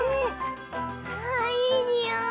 ああいいにおい！